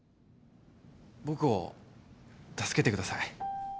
僕を助けてください